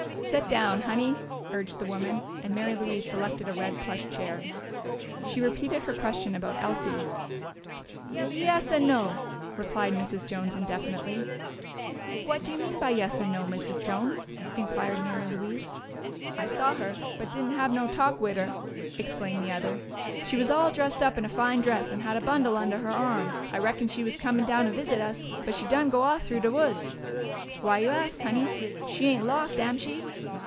"Set down, Honey," urged the woman, and Mary Louise selected a red plush chair. She repeated her question about Elsie. "Yes and no," replied Mrs. Jones indefinitely. "What do you mean by 'yes and no,' Mrs. Jones?" inquired Mary Louise. "I saw her but didn't have no talk wid her," explained the other. "She was all dressed up in a fine dress and had a bundle unde' her arm. I reckoned she was comin' down to visit us, but she done go off through de woods. Why you ask, Honey? She ain't lost, am she?"